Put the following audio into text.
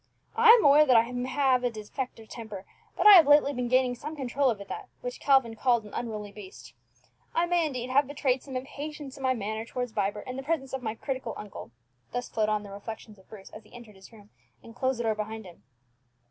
I am aware that I have a defective temper, but I have lately been gaining some control over that which Calvin called an 'unruly beast.' I may, indeed, have betrayed some impatience in my manner towards Vibert in the presence of my critical uncle," thus flowed on the reflections of Bruce as he entered his room, and closed the door behind him.